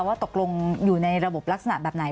ว่าตกลงอยู่ในระบบลักษณะแบบไหน